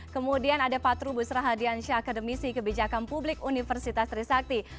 kemudian ada pak trubus rahadiansya akademisi kebijakan publik universitas trisakti